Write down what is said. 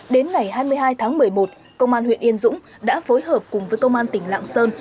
đến ngày hai mươi hai tháng một mươi một công an huyện yên dũng đã phối hợp cùng với công an tỉnh lạng sơn